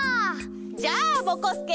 じゃあぼこすけ